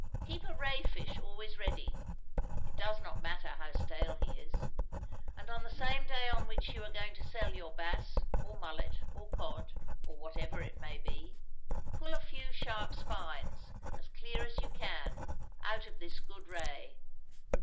Keep a ray fish always ready it does not matter how stale he is and on the same day on which you are going to sell your bass, or mullet, or cod, or whatever it may be, pull a few sharp spines, as clear as you can, out of this good ray.